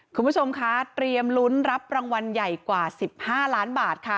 คุณผู้ชมคะเตรียมลุ้นรับรางวัลใหญ่กว่า๑๕ล้านบาทค่ะ